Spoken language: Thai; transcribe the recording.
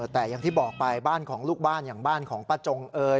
แต่อย่างที่บอกไปบ้านของลูกบ้านอย่างบ้านของป้าจงเอ่ย